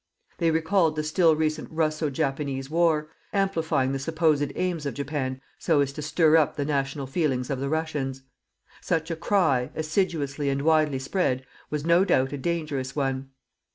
They recalled the still recent Russo Japanese war, amplifying the supposed aims of Japan so as to stir up the national feelings of the Russians. Such a cry, assiduously and widely spread, was no doubt a dangerous one.